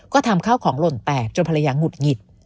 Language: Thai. ก็ทำข้าวของหล่นแตกจนภรรยาหงุดหงิด